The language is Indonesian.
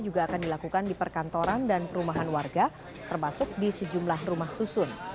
juga akan dilakukan di perkantoran dan perumahan warga termasuk di sejumlah rumah susun